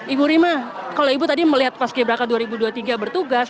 ibu rima kalau ibu tadi melihat paski braka dua ribu dua puluh tiga bertugas